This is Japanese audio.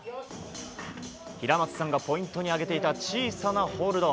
平松さんがポイントに挙げていた小さなホールド。